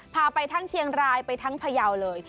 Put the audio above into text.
พาไปทั้งเชียงรายไปทั้งพยาวเลย